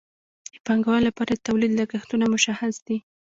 د پانګوال لپاره د تولید لګښتونه مشخص دي